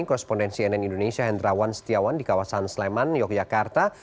korespondensi nn indonesia hendrawan setiawan di kawasan sleman yogyakarta